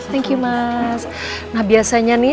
thank you mas nah biasanya nih